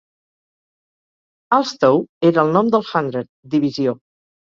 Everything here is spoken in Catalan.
Alstoe era el nom del hundred (divisió).